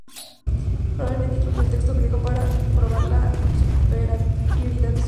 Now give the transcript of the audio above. Probablemente incluyó el texto griego para probar la superioridad de su versión latina.